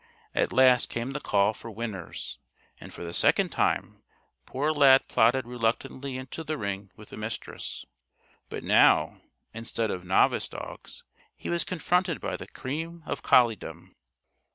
At last came the call for "Winners!" And for the second time poor Lad plodded reluctantly into the ring with the Mistress. But now, instead of novice dogs, he was confronted by the cream of colliedom.